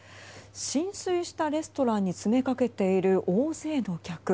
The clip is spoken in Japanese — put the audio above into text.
浸水したレストランに詰めかけている大勢の客。